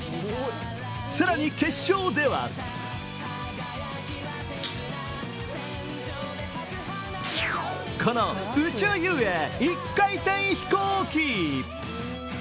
更に決勝では、この宇宙遊泳一回転飛行機。